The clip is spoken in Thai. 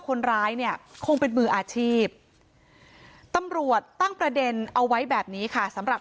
คนร้ายเนี่ยคงเป็นมืออาชีพตำรวจตั้งประเด็นเอาไว้แบบนี้ค่ะสำหรับ